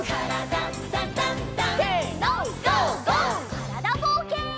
からだぼうけん。